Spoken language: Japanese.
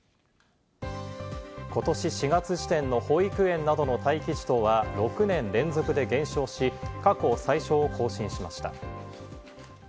ことし、４月時点の保育園などの待機児童は６年連続で減少し、過去最少を更新しました。